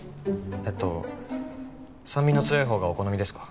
えっと酸味の強い方がお好みですか？